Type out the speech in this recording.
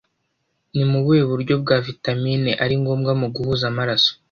Ni ubuhe bwoko bwa vitamine ari ngombwa mu guhuza amaraso